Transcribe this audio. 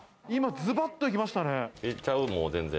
今ズバっといきましたね。